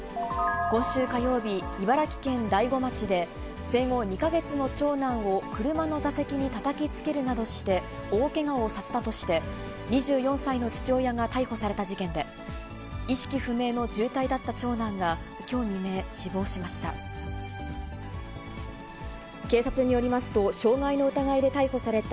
今週火曜日、茨城県大子町で、生後２か月の長男を車の座席にたたきつけるなどして、大けがをさせたとして、２４歳の父親が逮捕された事件で、意識不明の重体だった長男がきょう未明、死亡しました。